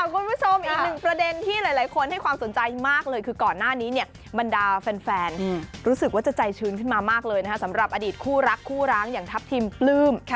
คุณผู้ชมอีกหนึ่งประเด็นที่หลายคนให้ความสนใจมากเลยคือก่อนหน้านี้เนี่ยบรรดาแฟนรู้สึกว่าจะใจชื้นขึ้นมามากเลยนะคะสำหรับอดีตคู่รักคู่ร้างอย่างทัพทิมปลื้ม